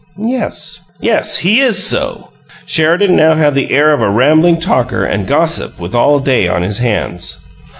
"Yes." "Yes, he is so!" Sheridan now had the air of a rambling talker and gossip with all day on his hands.